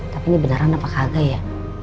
tapi ini beneran apa kagak ya